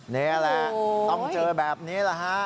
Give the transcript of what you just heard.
นี่แหละต้องเจอแบบนี้แหละฮะ